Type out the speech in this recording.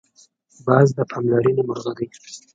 باز د پاملرنې مرغه دی